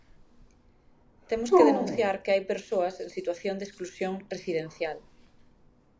"Temos que denunciar que hai persoas en situación de exclusión residencial".